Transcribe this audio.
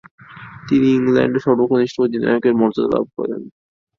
তিনি ইংল্যান্ডের সর্বকনিষ্ঠ অধিনায়কের মর্যাদা লাভ করেন।